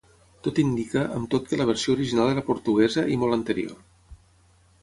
Tot indica, amb tot que la versió original era portuguesa i molt anterior.